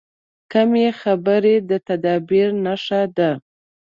کمې خبرې، د تدبیر نښه ده.